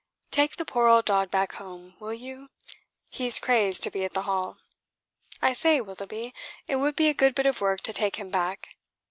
Take the poor old dog back home, will you? He's crazed to be at the Hall. I say, Willoughby, it would be a good bit of work to take him back.